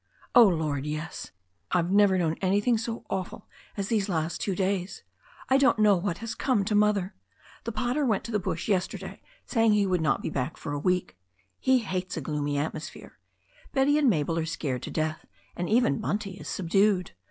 "Oh, Lord, yes! I've never known anything so awful as these last two days. I don't know what has come to Mother. The pater went to the bush yesterday, saying he would not be back for a week. He hates a gloomy atmos phere. Betty and Mabel are scared to death, and even Bunty is subdued.